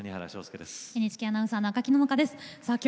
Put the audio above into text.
ＮＨＫアナウンサーの赤木野々花です。